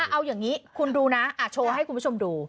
เอาอย่างนี้คุณดูนะโชว์ให้คุณผู้ชมดู